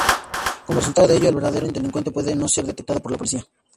Como resultado de ello, el verdadero delincuente puede no ser detectado por la policía.